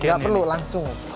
tidak perlu langsung